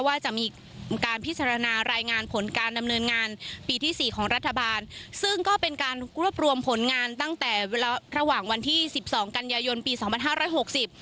ว่าจะมีการพิจารณารายงานผลการดำเนินงานปีที่สี่ของรัฐบาลซึ่งก็เป็นการรวบรวมผลงานตั้งแต่เวลาระหว่างวันที่สิบสองกันยายนปีสองพันห้าร้อยหกสิบ